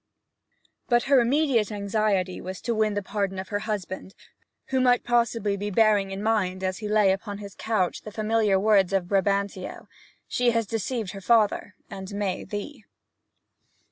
But her immediate anxiety was to win the pardon of her husband, who possibly might be bearing in mind, as he lay upon his couch, the familiar words of Brabantio, 'She has deceived her father, and may thee.'